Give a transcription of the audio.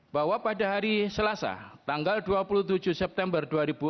bahwa pada hari selasa tanggal dua puluh tujuh september dua ribu dua puluh